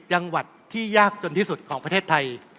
จังหวัดที่ยากจนที่สุดของประเทศไทย